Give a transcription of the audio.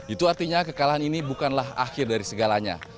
itu artinya kekalahan ini bukanlah akhir dari segalanya